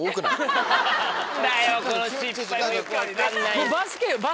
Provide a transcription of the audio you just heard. この失敗もよく分かんない。